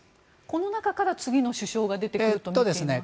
この中から次の首相が出てくるとみていますか？